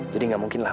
jadi nggak mungkin lah